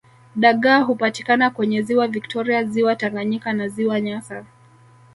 Dagaa hupatikana kwenye ziwa victoria ziwa Tanganyika na ziwa nyasa